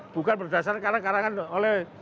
bukan berdasarkan karangan oleh